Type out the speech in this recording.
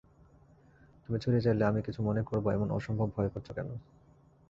তুমি ছুটি চাইলে আমি কিছু মনে করব এমন অসম্ভব ভয় করছ কেন।